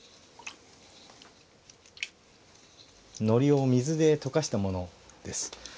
糊を水で溶かしたものです。